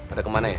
ada kemana ya